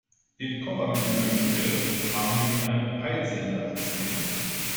Den Koffer mit dem Lösegeld haben wir mit einem Peilsender versehen.